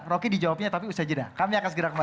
rocky dijawabnya tapi usai jeda kami akan segera kembali